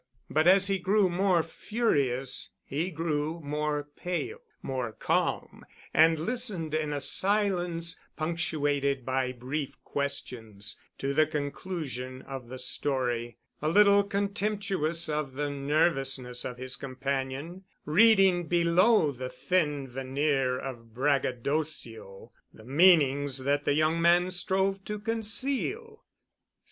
But as he grew more furious, he grew more pale, more calm, and listened in a silence punctuated by brief questions, to the conclusion of the story, a little contemptuous of the nervousness of his companion, reading below the thin veneer of braggadocio the meanings that the younger man strove to conceal.